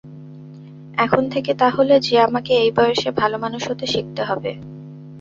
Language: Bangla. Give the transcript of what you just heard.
এখন থেকে তা হলে যে আমাকে এই বয়সে ভালোমানুষ হতে শিখতে হবে।